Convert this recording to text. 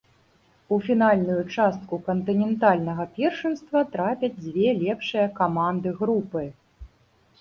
У фінальную частку кантынентальнага першынства трапяць дзве лепшыя каманды групы.